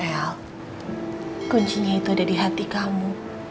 ya kuncinya itu ada di hati kamu